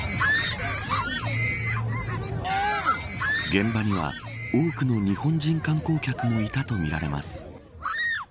現場には多くの日本人観光客もいたとみられます。